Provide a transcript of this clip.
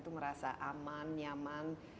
itu merasa aman nyaman